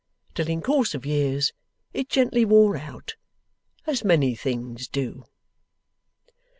till in course of years it gently wore out, as many things do.